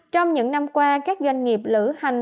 trong những năm qua các doanh nghiệp lữ hành